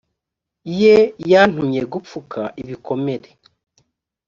ye yantumye gupfuka ibikomere